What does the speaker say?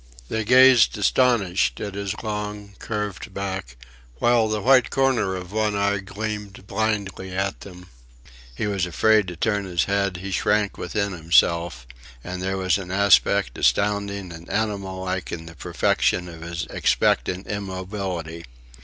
They gazed astonished at his long, curved back, while the white corner of one eye gleamed blindly at them. He was afraid to turn his head, he shrank within himself; and there was an aspect astounding and animal like in the perfection of his expectant immobility.